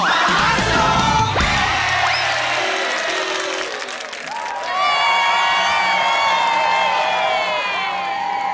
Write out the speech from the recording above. อบัจจอ